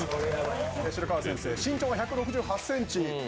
白川先生身長は１６８ｃｍ